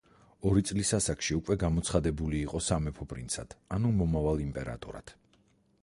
ორი წლის ასაკში უკვე გამოცხადებული იყო სამეფო პრინცად, ანუ მომავალ იმპერატორად.